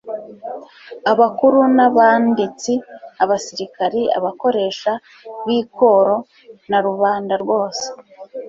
Abakuru n'abanditsi, abasirikari, abakoresha b'ikoro na rubanda rwose